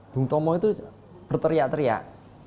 bung tomo itu berteriak teriak